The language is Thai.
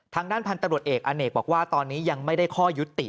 ทางด้านพันธุ์ตำรวจเอกอเนกบอกว่าตอนนี้ยังไม่ได้ข้อยุติ